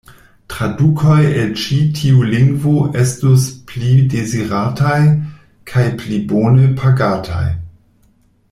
Tradukoj el ĉi tiu lingvo estus pli dezirataj kaj pli bone pagataj.